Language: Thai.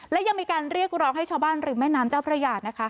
และยังมีการเรียกร้องให้ชาวบ้านริมแม่น้ำเจ้าพระยานะคะ